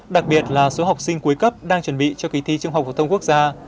đặc biệt là số học sinh cuối cấp đang chuẩn bị cho kỳ thi trung học phổ thông quốc gia